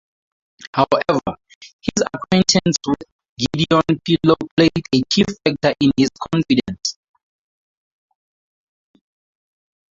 However, his acquaintance with Gideon Pillow played a key factor in his confidence.